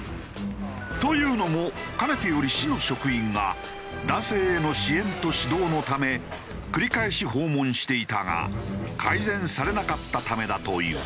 というのもかねてより市の職員が男性への支援と指導のため繰り返し訪問していたが改善されなかったためだという。